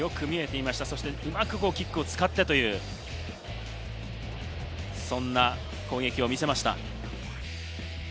うまくキックを使ってという、そんな攻撃を見せました。